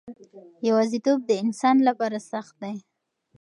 یوازیتوب د انسان لپاره سخت دی.